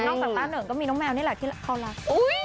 จากต้าเหนิงก็มีน้องแมวนี่แหละที่เขารัก